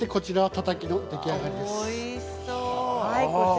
たたきの出来上がりです。